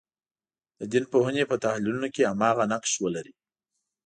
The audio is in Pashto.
د دین پوهنې په تحلیلونو کې هماغه نقش ولري.